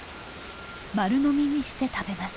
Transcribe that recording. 丸飲みにして食べます。